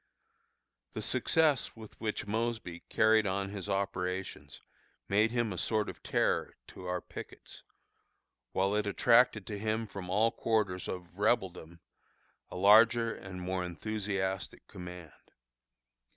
The success with which Mosby carried on his operations made him a sort of terror to our pickets, while it attracted to him from all quarters of Rebeldom a larger and more enthusiastic command.